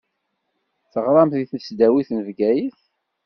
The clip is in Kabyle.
Teɣṛamt di tesdawit n Bgayet.